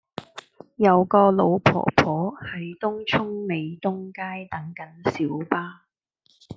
有個老婆婆喺東涌美東街等緊小巴